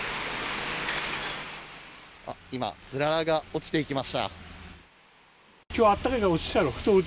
今、つららが落ちていきました。